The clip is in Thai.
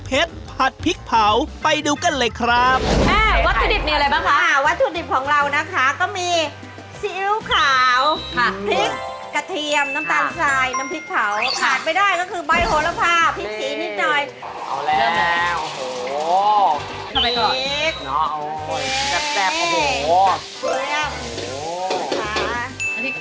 เพราะว่าผัดไม่ได้ก็คือใบโฮลภาพชิบสีนิดหน่อย